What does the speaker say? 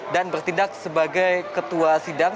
dan bertindak sebagai ketua sidang